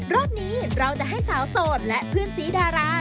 รอบนี้เราจะให้สาวโสดและเพื่อนสีดารา